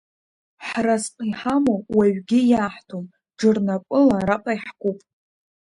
Ҳразҟ иҳамоу уаҩгьы иаҳҭом, џырнапыла араҟа иаҳкуп.